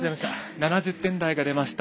７０点台が出ました。